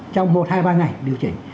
trong một hai ba ngày điều chỉnh